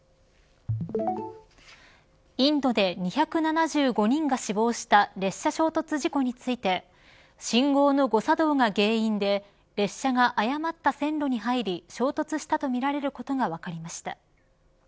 インドで２７５人が死亡した列車衝突事故について信号の誤作動が原因で列車が誤った線路に入り衝突したとみられることが分かりました。